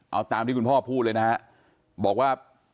เอาตามที่คุณพ่อพูดเลยนะฮะบอกว่า